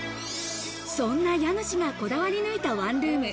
そんな家主がこだわり抜いたワンルーム。